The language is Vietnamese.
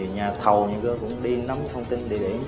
nhà thầu cũng đi nắm thông tin địa điểm